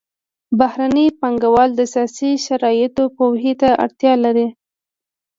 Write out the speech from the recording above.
بهرني پانګوال د سیاسي شرایطو پوهې ته اړتیا لري